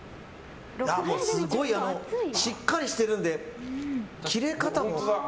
すごいしっかりしてるんで切れ方も。